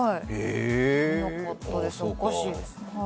なかったです、おかしいです。